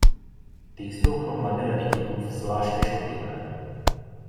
Ty jsou pro mladé lidi obzvláště škodlivé.